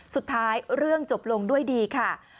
สุดท้ายเรื่องจบลงด้วยดีค่ะ